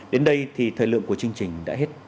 đến đây thì thời lượng của chương trình đã hết